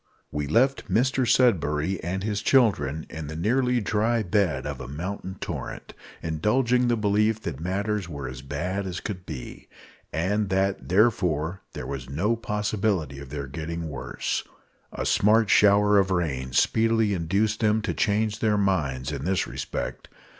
We left Mr Sudberry and his children in the nearly dry bed of a mountain torrent, indulging the belief that matters were as bad as could be, and that, therefore, there was no possibility of their getting worse. A smart shower of rain speedily induced them to change their minds in this respect.